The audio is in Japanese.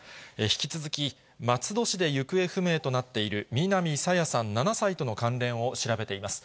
引き続き、松戸市で行方不明となっている南朝芽さん７歳との関連を調べています。